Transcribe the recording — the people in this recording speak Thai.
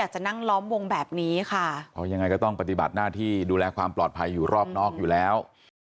จะต้องปฏิบัติหน้าที่ดูแลความปลอดภัยอยู่รอบนอกอยู่แล้ว